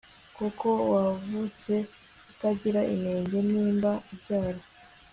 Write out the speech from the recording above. koko, wavutse utagira inenge na mba, ubyara